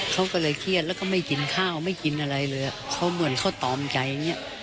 เขาก็เลยเครียดแล้วก็ไม่กินข้าวไม่กินอะไรเลยเขาเหมือนเขาตอมใจอย่างนี้